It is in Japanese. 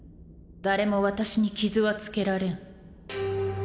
誰も私に傷はつけられん。